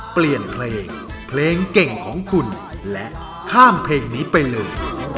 เปลี่ยนเพลงเพลงเก่งของคุณและข้ามเพลงนี้ไปเลย